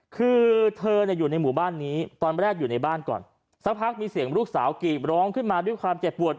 คือเธอเนี่ยอยู่ในหมู่บ้านนี้ตอนแรกอยู่ในบ้านก่อนสักพักมีเสียงลูกสาวกรีบร้องขึ้นมาด้วยความเจ็บปวด